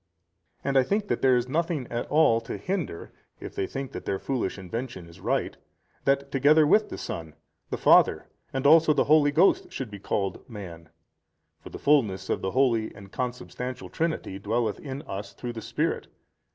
And I think that there is nothing at all to hinder, if they think that their foolish invention is right, that together with the Son, the Father and also the Holy Ghost should be called man: for the fulness of the Holy and Consubstantial Trinity dwelleth in us through the Spirit.